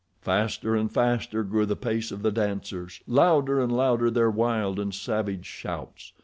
Faster and faster grew the pace of the dancers, louder and louder their wild and savage shouts.